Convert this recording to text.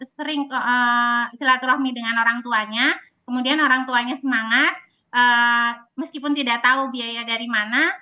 sering silaturahmi dengan orang tuanya kemudian orang tuanya semangat meskipun tidak tahu biaya dari mana